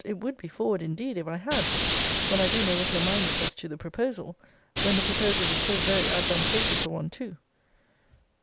It would be forward, indeed, if I had when I don't know what your mind is as to the proposal: when the proposal is so very advantageous a one too.